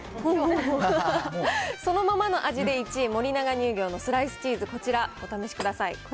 そのままの味で１位、森永乳業のスライスチーズ、こちら、お試しください。